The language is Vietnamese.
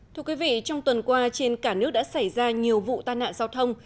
thưa quý vị trong tuần qua trên cả nước đã xảy ra nhiều vụ tai nạn giao thông